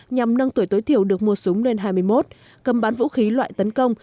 nhằm nâng tuổi tối thiểu được mua súng lên hai mươi một cầm bán vũ khí loại tấn công